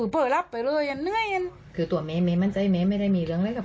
เปิดรับไปเลยยังเหนื่อยยังคือตัวเม้มันใจเม้ไม่ได้มีเรื่องอะไรกับ